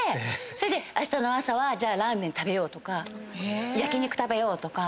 それであしたの朝はじゃあラーメン食べようとか焼き肉食べようとか。